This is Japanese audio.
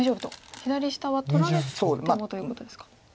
左下は取られてもということですか。